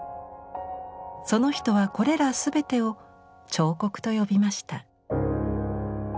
その人はこれら全てを「彫刻」と呼びました。